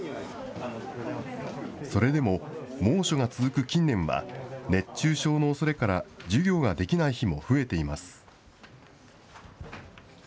それでも猛暑が続く近年は、熱中症のおそれから、授業ができない日も増えています。